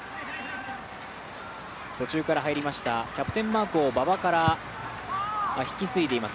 途中から入りましたキャプテンマークを馬場から引き継いでいます。